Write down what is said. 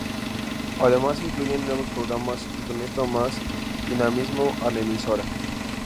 Además se incluyen nuevos programas y con esto mas dinamismo a la emisora.